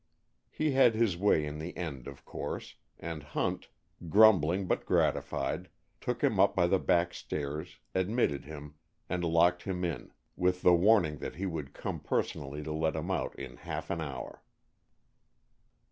He had his way in the end, of course, and Hunt, grumbling but gratified, took him up by the back stairs, admitted him, and locked him in, with the warning that he would come personally to let him out in half an hour.